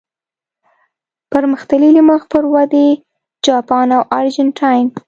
پرمختللي، مخ پر ودې، جاپان او ارجنټاین.